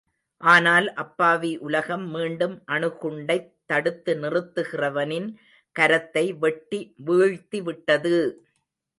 ஆனால் அப்பாவி உலகம் மீண்டும் அணுகுண்டைத் தடுத்து நிறுத்துகிறவனின் கரத்தை, வெட்டி வீழ்த்தி விட்டது!